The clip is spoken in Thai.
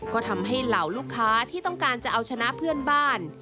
ก็ทำให้เหล่าลูกค้าที่ต้องการจะเอาชนะเพื่อนบ้าน